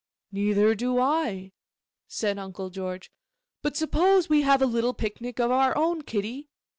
'Neither do I,' said Uncle George; 'but suppose we have a little picnic of our own, Kitty?